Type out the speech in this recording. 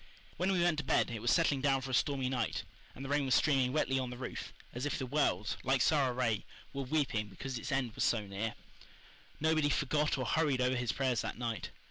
When we went to bed it was settling down for a stormy night, and the rain was streaming wetly on the roof, as if the world, like Sara Ray, were weeping because its end was so near. Nobody forgot or hurried over his prayers that night.